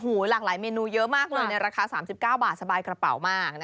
หลากหลายเมนูเยอะมากเลยในราคา๓๙บาทสบายกระเป๋ามาก